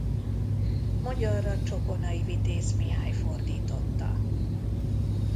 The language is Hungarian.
Magyarra Csokonai Vitéz Mihály fordította.